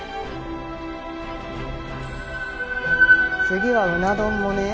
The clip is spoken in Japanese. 次はうな丼もね。